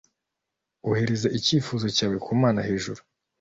ohereza icyifuzo cyawe ku mana hejuru.